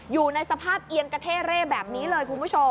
อยู่ในสภาพเอียงกระเท่เร่แบบนี้เลยคุณผู้ชม